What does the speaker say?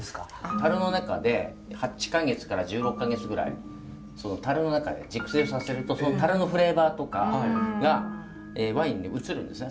樽の中で８か月から１６か月ぐらいその樽の中で熟成させるとその樽のフレーバーとかがワインに移るんですね。